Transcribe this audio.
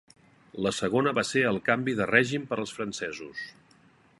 La segona va ser el canvi de règim per als francesos.